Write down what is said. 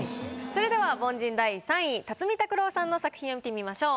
それでは凡人第３位辰巳郎さんの作品を見てみましょう。